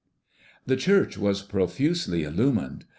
The church was profusely illumined.